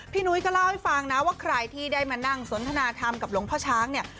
นุ้ยก็เล่าให้ฟังนะว่าใครที่ได้มานั่งสนทนาธรรมกับหลวงพ่อช้างเนี่ย